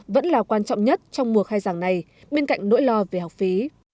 vẫn là quan trọng nhất trong mùa khai giảng này bên cạnh nỗi lo về học phí